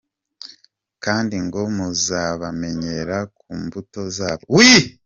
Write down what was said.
Kandi ngo muzabamenyera ku mbuto zabo!